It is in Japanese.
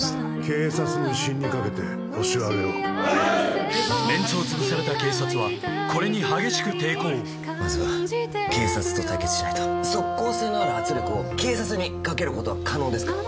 警察の威信にかけてホシを挙げろメンツを潰された警察はこれに激しく抵抗まずは警察と対決しないと即効性のある圧力を警察にかけることは可能ですか？